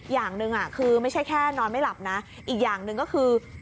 อย่างหนึ่งคือไม่ใช่แค่นอนไม่หลับนะอีกอย่างหนึ่งก็คือ